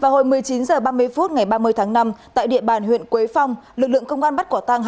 hồi một mươi chín h ba mươi phút ngày ba mươi tháng năm tại địa bàn huyện quế phong lực lượng công an bắt quả tăng